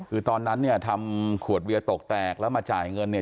คือตอนนั้นเนี่ยทำขวดเบียร์ตกแตกแล้วมาจ่ายเงินเนี่ย